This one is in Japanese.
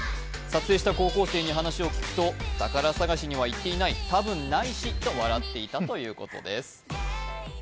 高校生に聞くと、宝探しには行っていない、多分ないしと笑っていたということです。